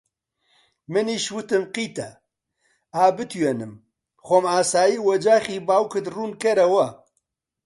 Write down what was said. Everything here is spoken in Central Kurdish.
منیش وتم: قیتە! ئا بتوینم خۆم ئاسایی وەجاخی باوکت ڕوون کەرەوە